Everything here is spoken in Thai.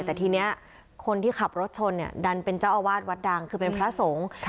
แต่ทีนี้คนที่ขับรถชนเนี่ยดันเป็นเจ้าอาวาสวัดดังคือเป็นพระสงฆ์